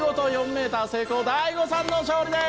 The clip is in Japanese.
メーター成功大悟さんの勝利です！